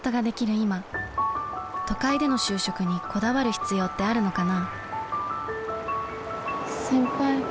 今都会での就職にこだわる必要ってあるのかな？